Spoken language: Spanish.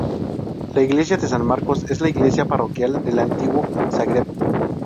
La Iglesia de San Marcos es la iglesia parroquial del Antiguo Zagreb.